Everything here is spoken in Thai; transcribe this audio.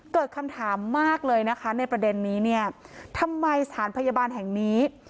เกิดคำถามมากเลยนะคะในประเด็นนี้เนี่ยทำไมสถานพยาบาลแห่งนี้